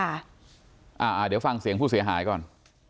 เดี๋ยวฟังเสียงผู้เสียหายก่อน